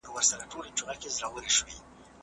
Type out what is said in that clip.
په بریتانیا کې ناروغان د ځان وژنې غږونه اوري.